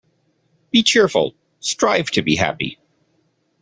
Be cheerful. Strive to be happy.